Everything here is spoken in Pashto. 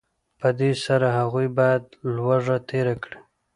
په دې سره هغوی باید لوږه تېره کړي